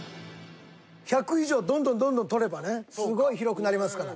１００以上どんどんどんどん取ればねすごい広くなりますから。